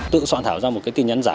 tự soạn thảo ra một tin nhắn giả